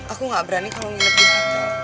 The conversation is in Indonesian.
aku gak berani kalo nginep di rumah